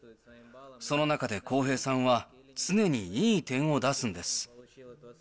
その中で航平さんは、常にいい点を出すんです。